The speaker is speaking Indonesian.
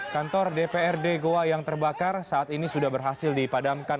kantor dprd goa yang terbakar saat ini sudah berhasil dipadamkan